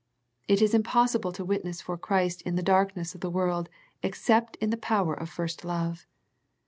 It is impossible to witness for Christ in the darkness of the world except in the power of first love.